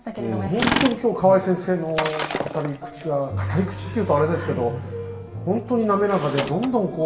ほんとに今日河合先生の語り口が語り口って言うとあれですけどほんとに滑らかでどんどんこう。